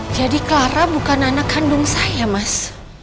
jadi clara bukan anak kandung saya mas